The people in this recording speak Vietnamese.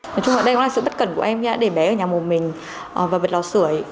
nói chung là đây là sự bất cẩn của em khi đã để bé ở nhà một mình và vật lò sửa